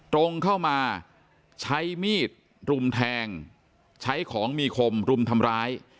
ตรงเข้ามาใช้มีดรุมแทงใช้ของมีคมรุมทำร้าย